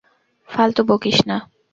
ফালতু বকিস না।